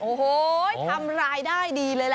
โอ้โหทำรายได้ดีเลยล่ะ